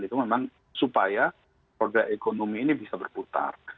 itu memang supaya roda ekonomi ini bisa berputar